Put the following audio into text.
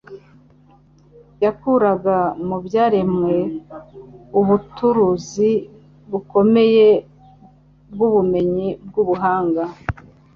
yakuraga mu byaremwe ubuturuzi bukomeye bw'ubumenyi bw'ubuhanga.